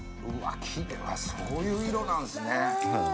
うわそういう色なんすね。